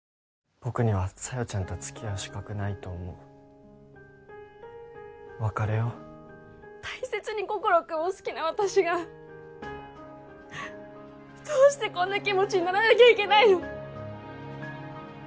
僕には小夜ちゃんと付き合う資格ないと思う別れよう大切に心君を好きな私がどうしてこんな気持ちにならなきゃいけないの？